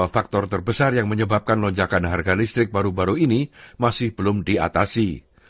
faktor terbesar yang menyebabkan lonjakan harga listrik baru baru ini masih belum diatasi